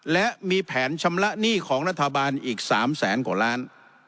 และมีแผนชำระหนี้ของรัฐบาลอีก๓แสนกว่าล้าน